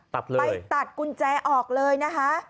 ไปตัดกุญแจออกเลยนะคะ